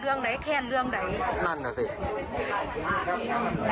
หลวงใดแขนหลวงใดนั่นเหรอสิ